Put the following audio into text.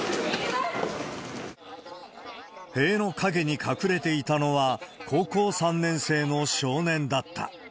塀の陰に隠れていたのは、高校３年生の少年だった。